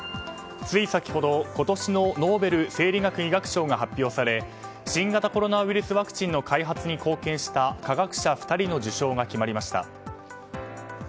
つい先ほど今年のノーベル生理学・医学賞が発表され新型コロナウイルスワクチンの開発に貢献した科学者２人の受賞が決まりました。